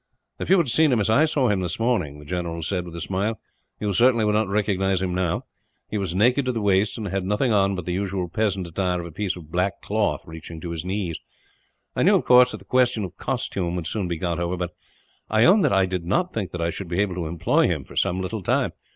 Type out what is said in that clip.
"If you had seen him as I saw him, this morning," he said, with a smile, "you certainly would not recognize him now. He was naked to the waist, and had nothing on but the usual peasant attire of a piece of black cloth, reaching to his knees. I knew, of course, that the question of costume would soon be got over; but I own that I did not think that I should be able to employ him, for some little time.